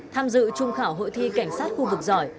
tham dự trung khảo hội thi cảnh sát khu vực giỏi